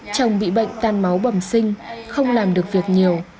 chồng bị bệnh tan máu bẩm sinh không làm được việc nhiều